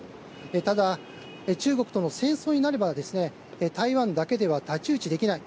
ただ、中国との戦争になれば台湾だけでは太刀打ちできない。